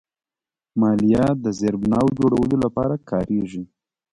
مالیه د زیربناوو جوړولو لپاره کارېږي.